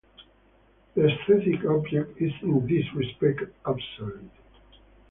The aesthetic object is in this respect absolute.